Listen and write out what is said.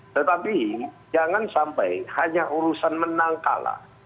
tetapi jangan sampai hanya urusan menang kalah